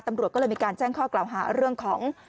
ตำรวจก็เลยมีการแจ้งข้อกล่าวหาเรื่องของ